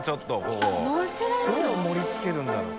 どう盛り付けるんだろう？